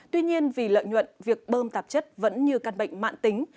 tuy nhiên vì lợi nhuận việc bơm tạp chất vẫn như căn bệnh mạng tính